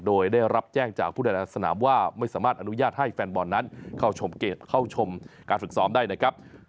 โดยได้รับแจ้งจากผู้ใดและสนามว่าไม่สามารถอนุญาตให้แฟนบอลนั้นเข้าชมเกมเข้าชมการฝึกซ้อมได้นะครับ